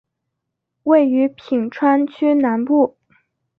位于品川区南部。